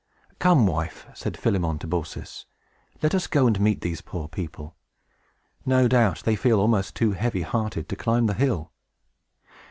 "Come, wife," said Philemon to Baucis, "let us go and meet these poor people. No doubt, they feel almost too heavy hearted to climb the hill."